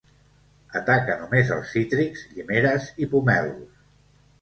Ataca només els cítrics, llimeres i pomelos.